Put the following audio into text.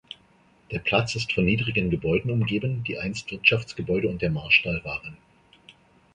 Der Platz ist von niedrigen Gebäuden umgeben, die einst Wirtschaftsgebäude und der Marstall waren.